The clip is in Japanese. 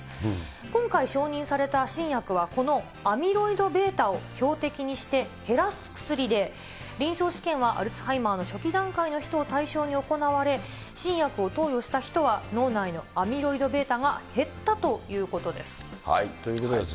今回、承認された新薬はこのアミロイドβを標的にして減らす薬で、臨床試験はアルツハイマーの初期段階の人を対象に行われ、新薬を投与した人は、脳内のアミロイドβが減ったということです。